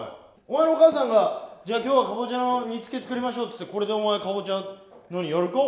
お前のお母さんが「じゃあ今日はかぼちゃの煮つけ作りましょう」つってこれでお前かぼちゃ何やるか？